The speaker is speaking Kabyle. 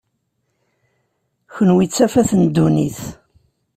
Kenwi d tafat n ddunit.